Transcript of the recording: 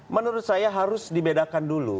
menurut saya harus dibedakan dulu